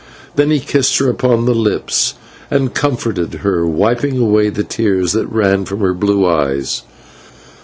Then he kissed her upon the lips and comforted her, wiping away the tears that ran from her blue eyes.